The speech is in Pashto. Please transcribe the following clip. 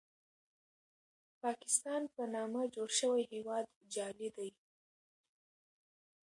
پاکستان په نامه جوړ شوی هېواد جعلي دی.